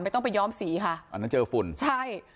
ต้องไปย้อมสีค่ะอันนั้นเจอฝุ่นใช่